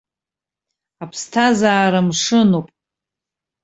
Аԥсҭазаара мшынуп.